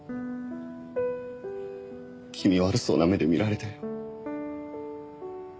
気味悪そうな目で見られたよ。